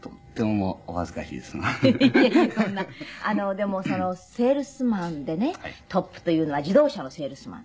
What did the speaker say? でもセールスマンでねトップというのは自動車のセールスマン？